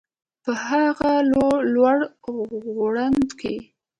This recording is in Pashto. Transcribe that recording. په هغه لوړ ځوړند کي